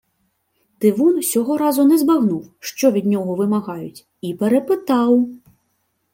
Тивун сього разу не збагнув, що від нього вимагають, і перепитав: